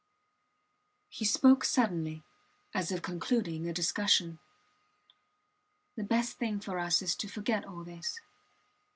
He spoke suddenly, as if concluding a discussion. The best thing for us is to forget all this.